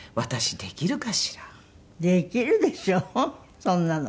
できるでしょそんなの。